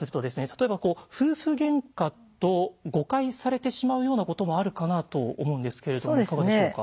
例えば夫婦ゲンカと誤解されてしまうようなこともあるかなと思うんですけれどもいかがでしょうか？